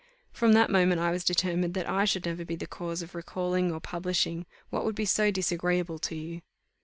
From that moment I was determined that I would never be the cause of recalling or publishing what would be so disagreeable to you.